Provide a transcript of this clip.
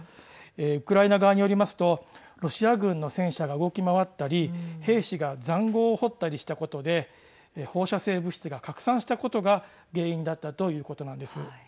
ウクライナ側によりますとロシア軍の戦車が動き回ったり兵士がざんごうを掘ったりしたことで放射性物質が拡散したことが原因だったということなんです。